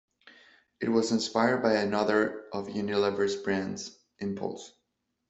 It was inspired by another of Unilever's brands, Impulse.